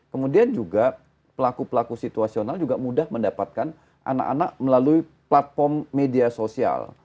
kemudian juga pelaku pelaku situasional juga mudah mendapatkan anak anak melalui platform media sosial